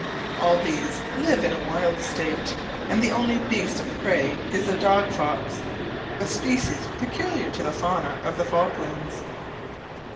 All these live in a wild state, and the only beast of prey is the dog fox, a species peculiar to the fauna of the Falklands.